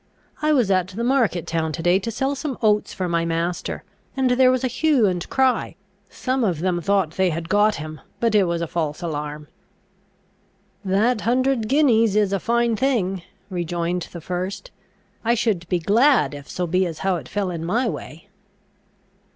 "I was at the market town to day to sell some oats for my master, and there was a hue and cry, some of them thought they had got him, but it was a false alarm." "That hundred guineas is a fine thing," rejoined the first. "I should be glad if so be as how it fell in my way."